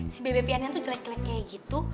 si bebe piannya tuh jelek jelek kayak gitu